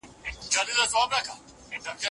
تاسي باید په موبایل کي د ژبو د لغتونو همېشهفظ واورئ.